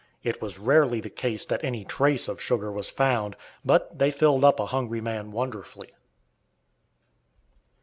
It was rarely the case that any "trace" of sugar was found, but they filled up a hungry man wonderfully.